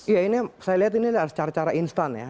iya ini saya lihat ini secara cara instan ya